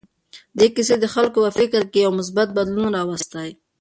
دې کیسې د خلکو په فکر کې یو مثبت بدلون راوستی.